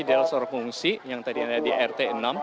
delsor pengungsi yang tadi ada di rt enam